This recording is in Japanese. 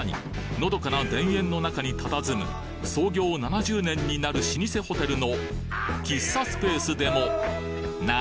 のどかな田園の中にたたずむ創業７０年になる老舗ホテルの喫茶スペースでもなに！？